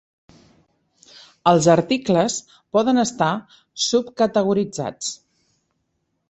Els articles poden estar subcategoritzats.